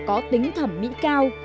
có tính thẩm mỹ cao